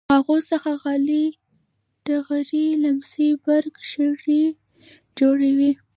له هغو څخه غالۍ ټغرې لیمڅي برک شړۍ جوړوي.